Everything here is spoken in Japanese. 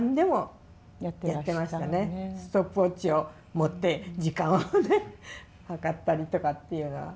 ストップウォッチを持って時間をね計ったりとかっていうのは。